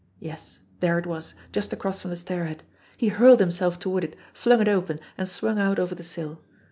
Yes, there it was just across from the stairhead. He hurled himself toward it, flung it open, and swung out over the sill.